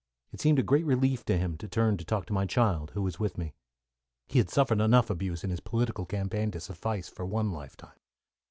It seemed a great relief to him to turn to talk to my child, who was with me. He had suffered enough abuse in his political campaign to suffice for one lifetime.